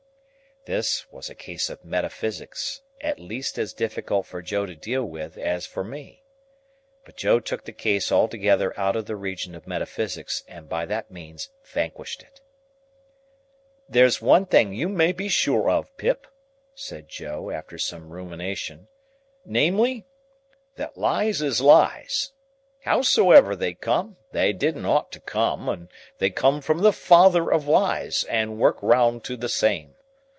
This was a case of metaphysics, at least as difficult for Joe to deal with as for me. But Joe took the case altogether out of the region of metaphysics, and by that means vanquished it. "There's one thing you may be sure of, Pip," said Joe, after some rumination, "namely, that lies is lies. Howsever they come, they didn't ought to come, and they come from the father of lies, and work round to the same.